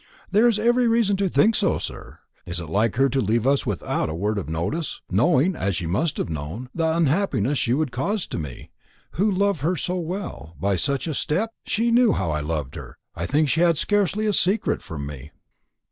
"There is every reason to think so, sir. Is it like her to leave us without a word of notice, knowing, as she must have known, the unhappiness she would cause to me, who love her so well, by such a step? She knew how I loved her. I think she had scarcely a secret from me."